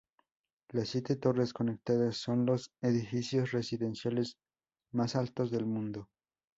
Las siete torres conectadas son los edificios residenciales más altos del mundo.